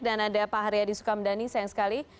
dan ada pak haryadi sukamdhani sayang sekali